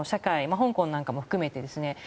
香港なんかも含めて